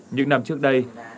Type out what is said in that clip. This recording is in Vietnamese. những năm trước đây